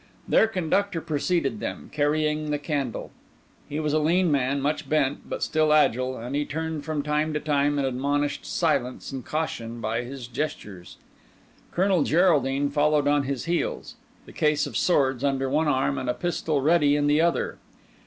Their conductor preceded them, carrying the candle. He was a lean man, much bent, but still agile; and he turned from time to time and admonished silence and caution by his gestures. Colonel Geraldine followed on his heels, the case of swords under one arm, and a pistol ready in the other.